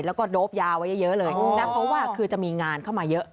แล้วก็โดปยาไว้เยอะเลยนะเพราะว่าคือจะมีงานเข้ามาเยอะ